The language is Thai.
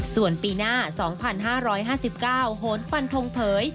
ส่วนปีหน้า๒๕๕๙โหนฟันทงเผย